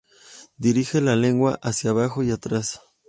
Dirige la lengua hacia abajo y atrás.